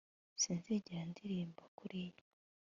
sinzigera ndirimba kuriya